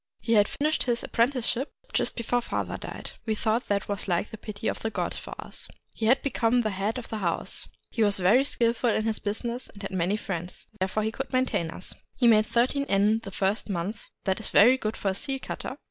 He had finished his apprenticeship just before father died ; we thought that was like the pity of the gods for us. He had become the head of the house. He was very skillful in his business, and had many friends : therefore he could maintain us. He made thirteen yen the first month ;— that is very good for a seal cutter.